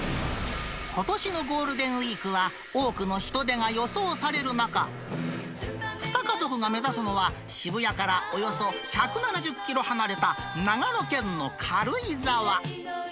ことしのゴールデンウィークは、多くの人出が予想される中、２家族が目指すのは、渋谷からおよそ１７０キロ離れた、長野県の軽井沢。